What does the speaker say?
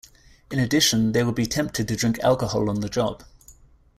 In addition they would be tempted to drink alcohol on the job.